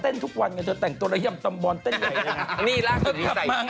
เอ๊เต้นทุกวันกันจะแต่งตัวละยำตำบอลเต้นใหญ่เลย